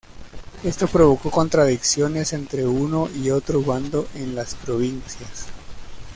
Esto provocó contradicciones entre uno y otro bando en las provincias.